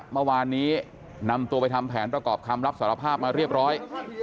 เมื่อวานนี้นำตัวไปทำแผนประกอบคำรับสารภาพมาเรียบร้อย